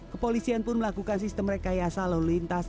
kepolisian pun melakukan sistem rekayasa lalu lintas